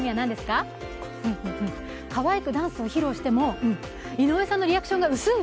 かわいくダンスを披露しても、井上さんのリアクションが薄い？